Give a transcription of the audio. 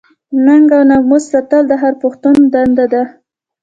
ننګ او ناموس ساتل د هر پښتون دنده ده.